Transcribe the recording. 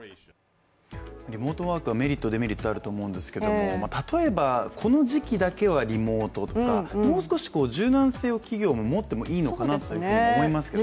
リモートワークはメリット、デメリットあると思うんですけれども例えばこの時期だけはリモートとかもう少し柔軟性を企業も持ってもいいのかなと思いますね。